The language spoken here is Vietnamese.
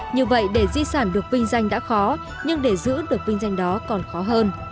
như vậy để di sản được vinh danh đã khó nhưng để giữ được vinh danh đó còn khó hơn